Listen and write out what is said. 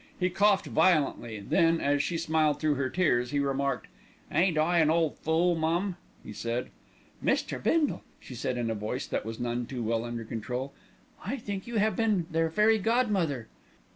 He coughed violently, then, as she smiled through her tears, he remarked: "Ain't I an ole fool, mum?" he said. "Mr. Bindle," she said in a voice that was none too well under control, "I think you have been their fairy godmother."